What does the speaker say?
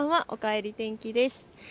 おかえり天気です。